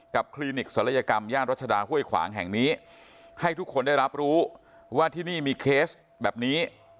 คลินิกศัลยกรรมย่านรัชดาห้วยขวางแห่งนี้ให้ทุกคนได้รับรู้ว่าที่นี่มีเคสแบบนี้